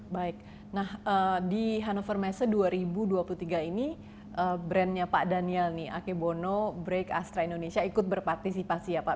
baik nah di hannover messe dua ribu dua puluh tiga ini brandnya pak daniel nih akebono break astra indonesia ikut berpartisipasi ya pak